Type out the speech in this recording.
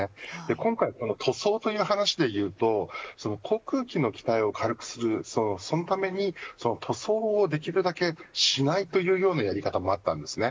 今回この塗装という話で言うと航空機の機体を軽くする、そのために塗装をできるだけしないというようなやり方もあったんです。